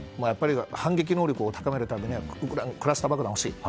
反撃能力を高めるためにはクラスター爆弾が欲しいと。